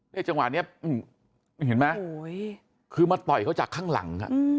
จังหวะนี้เห็นไหมคือมาต่อยเขาจากข้างหลัง